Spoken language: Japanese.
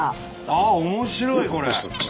あっ面白いこれ。